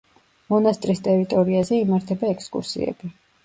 მონასტრის ტერიტორიაზე იმართება ექსკურსიები.